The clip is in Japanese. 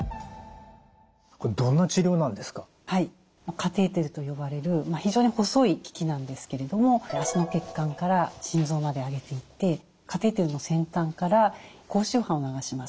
カテーテルと呼ばれる非常に細い機器なんですけれども脚の血管から心臓まで上げていってカテーテルの先端から高周波を流します。